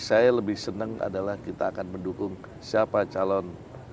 saya lebih senang adalah kita akan mendukung siapa calon